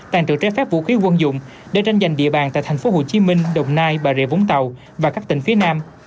tàn trữ trái phép vũ khí quân dụng để tranh giành địa bàn tại thành phố hồ chí minh đồng nai bà rịa vũng tàu và các tỉnh phía nam